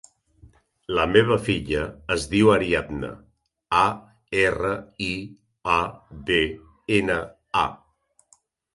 La meva filla es diu Ariadna: a, erra, i, a, de, ena, a.